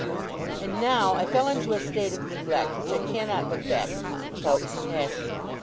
And now I fell into a state of neglect, which I cannot look back upon without compassion.